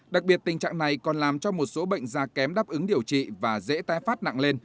đặc biệt tình trạng này còn làm cho một số bệnh da kém đáp ứng điều trị và dễ tai phát nặng lên